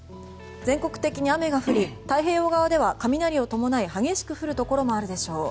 全国的に雨が降り太平洋側では雷を伴い激しく降るところもあるでしょう。